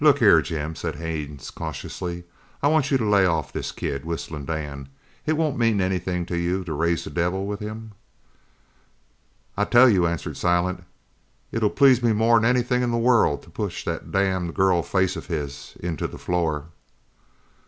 "Look here, Jim," said Haines cautiously, "I want you to lay off on this kid, Whistling Dan. It won't meant anything to you to raise the devil with him." "I tell you," answered Silent, "it'll please me more'n anything in the world to push that damned girl face of his into the floor."